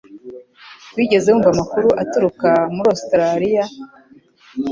Wigeze wumva amakuru aturuka muri Ositaraliya?